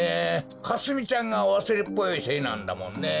かすみちゃんがわすれっぽいせいなんだもんね。